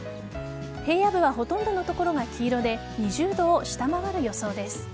平野部はほとんどの所が黄色で２０度を下回る予想です。